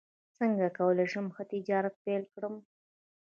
څنګه کولی شم ښه تجارت پیل کړم